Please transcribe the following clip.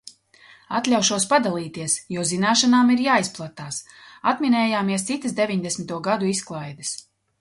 Atļaušos padalīties, jo zināšanām ir jāizplatās. Atminējāmies citas deviņdesmito gadu izklaides.